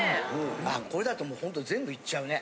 あこれだとほんと全部いっちゃうね。